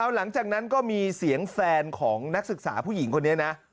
หลังจากนั้นก็มีเสียงแฟนของนักศึกษาผู้หญิงคนนี้นะ